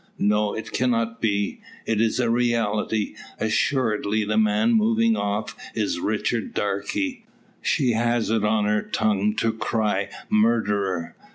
No; it cannot be! It is a reality; assuredly the man moving off is Richard Darke! She has it on her tongue to cry "murderer!"